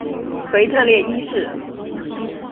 腓特烈一世。